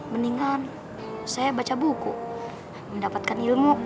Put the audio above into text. mendingan saya baca buku mendapatkan ilmu